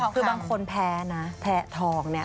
คือบางคนแพ้นะแพ้ทองเนี่ย